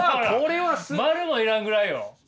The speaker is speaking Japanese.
円も要らんぐらいよ。